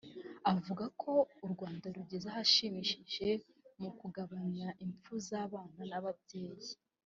avuga ko u Rwanda rugeze ahashimishije mu kugabanya impfu z’abana n’ababyeyi